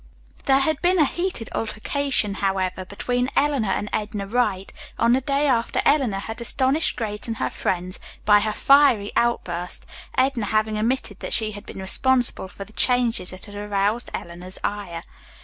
There had been a heated altercation, however, between Eleanor and Edna Wright on the day after Eleanor had astonished Grace and her friends by her fiery outburst, Edna having admitted that she had been responsible for the changes that had aroused Eleanor's ire.